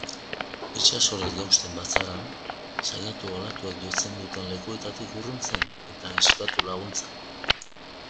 Itsasora jausten bazara, saiatu olatuek jotzen duten lekuetatik urruntzen eta eskatu laguntza.